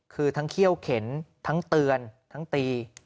คือทั้งเขี้ยวเข็นทั้งเตือนทั้งตี